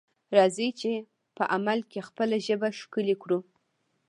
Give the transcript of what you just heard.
راځئ چې په عمل کې خپله ژبه ښکلې کړو.